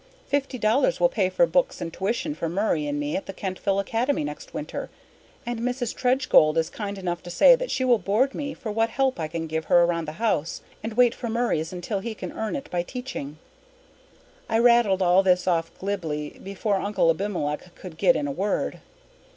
Fifty dollars will pay for books and tuition for Murray and me at Kentville Academy next winter, and Mrs. Tredgold is kind enough to say she will board me for what help I can give her around the house, and wait for Murray's until he can earn it by teaching." I rattled all this off glibly before Uncle Abimelech could get in a word.